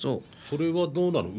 それはどうなの？